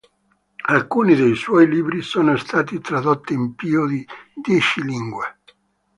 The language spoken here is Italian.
Alcuni dei suoi libri sono stati tradotti in più di dieci lingue.